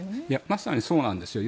まさにそうなんですよ。